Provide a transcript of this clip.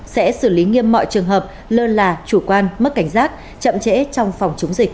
sẽ xử lý nghiêm mọi trường hợp lơ là chủ quan mất cảnh giác chậm trễ trong phòng chống dịch